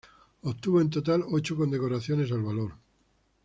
Obtuvo en total ocho condecoraciones al valor.